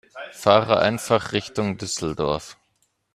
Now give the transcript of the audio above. Fahre einfach Richtung Düsseldorf